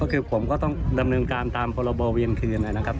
ก็คือผมก็ต้องดำเนินการตามพรบเวียนคืนนะครับ